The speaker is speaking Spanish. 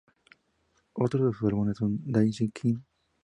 Otro de sus álbumes son "Dancing Queen".